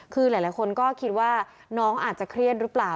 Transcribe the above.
คือหลายคนก็คิดว่าน้องอาจจะเครียดหรือเปล่า